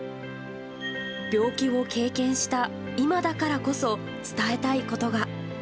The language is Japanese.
病気を経験した今だからこそ、伝えたいことが。